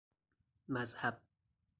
مذهب